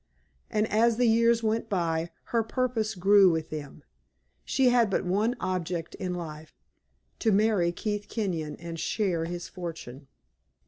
And as the years went by, her purpose grew with them; she had but one object in life to marry Keith Kenyon and share his fortune.